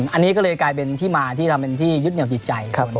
อันนี้ก็เลยกลายเป็นที่มาที่ทำเป็นที่ยึดเหนียวติดใจ